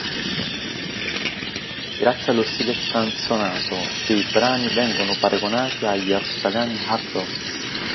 Grazie allo stile scanzonato dei brani vengono paragonati agli australiani Hard-Ons.